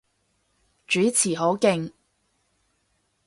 主持好勁